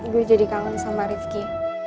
gue jadi kangen sama rifki